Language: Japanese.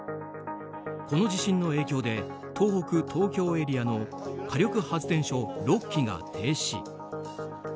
この地震の影響で東北・東京エリアの火力発電所６基が停止。